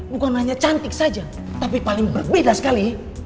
bukan hanya cantik saja tapi paling berbeda sekali